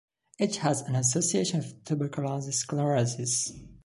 It has an association with tuberous sclerosis.